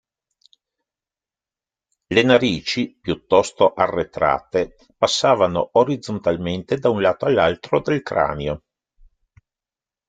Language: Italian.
Le narici, piuttosto arretrate, passavano orizzontalmente da un lato all'altro del cranio.